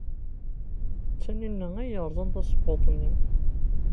D Taninna ay yerẓan tazewwut-nni.